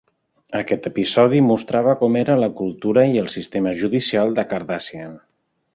Aquest episodi mostrava com era la cultura i el sistema judicial de Cardassian.